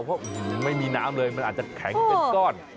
เพราะไม่มีน้ำเลยมันอาจจะแข็งเป็นก้อน